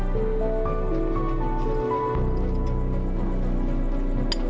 saya pengurusan luar dapat semangat lagi